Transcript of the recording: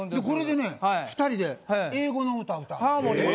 これでね２人で英語の歌歌う。